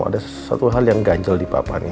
ada satu hal yang ganjel di papa nih